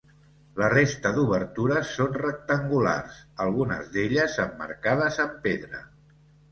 La resta d'obertures són rectangulars, algunes d'elles emmarcades amb pedra.